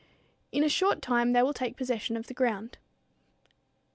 In a short time they will take possession of the ground.